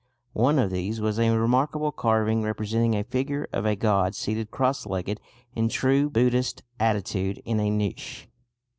One of these was a remarkable carving representing a figure of a god seated cross legged, in true Buddhist attitude, in a niche.